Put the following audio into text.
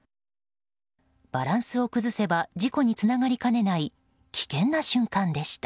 バランスを崩せば事故につながりかねない危険な瞬間でした。